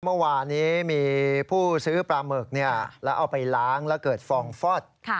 เมื่อวานี้มีผู้ซื้อปลาหมึกแล้วเอาไปล้างแล้วเกิดฟองฟอด